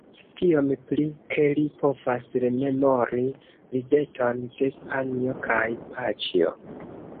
Tiom pli, ke li povas rememori rideton de panjo kaj paĉjo.